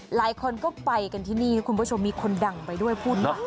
หลายคนก็ไปกันที่นี่คุณผู้ชมมีคนดังไปด้วยพูด